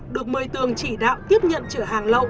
được một mươi tường chỉ đạo tiếp nhận trở hàng lậu